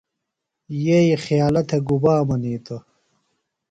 ییئ خیالہ تھےۡ گُبا منیتوۡ؟